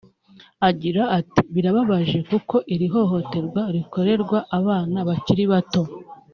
agira ati “Birababaje kuko iri hohoterwa rikorerwa abana bakiri bato